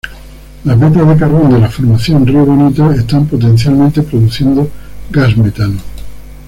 Las vetas de carbón de la "Formación Río Bonito" están potencialmente produciendo gas metano.